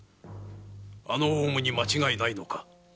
あのオウムに間違いないのか？